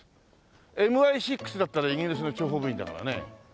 ＭＩ６だったらイギリスの諜報部員だからね。